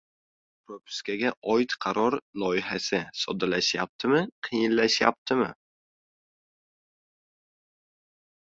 Propiskaga oid qaror loyihasi: soddalashyaptimi, qiyinlashyaptimi?